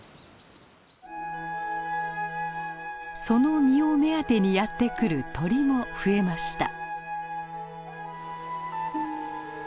その実を目当てにやって来る鳥も増えました。